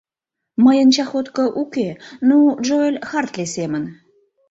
Мыйын чахотко уке... ну, Джоэль Хартли семын.